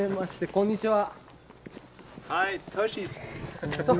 こんにちは。